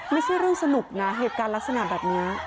ไม่ใช่เรื่องสนุกนะเหตุการณ์ลักษณะแบบนี้